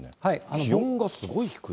気温がすごい低い。